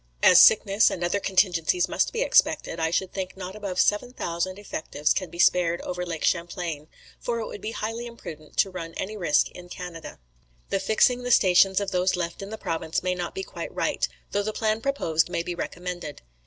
"As sickness and other contingencies must be expected, I should think not above 7,000 effectives can be spared over Lake Champlain; for it would be highly imprudent to run any risk in Canada. "The fixing the stations of those left in the province may not be quite right, though the plan proposed may be recommended.